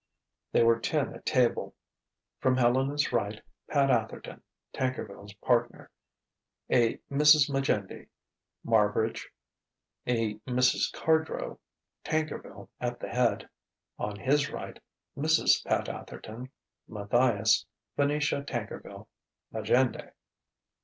They were ten at table: from Helena's right, Pat Atherton (Tankerville's partner), a Mrs. Majendie, Marbridge, a Mrs. Cardrow, Tankerville at the head; on his right, Mrs. Pat Atherton, Matthias, Venetia Tankerville, Majendie.